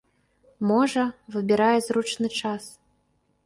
Можа, выбірае зручны час.